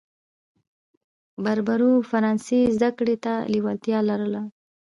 بربرو فرانسې زده کړې ته لېوالتیا لرله.